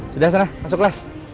sudah serah masuk kelas